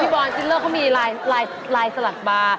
พี่บอมซิลเลอร์เค้ามีลายสลัดบาร์